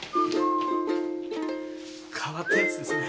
変わったヤツですね。